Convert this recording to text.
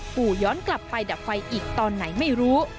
ปู่ย้อนกลับไปดับไฟอีกตอนไหนไม่รู้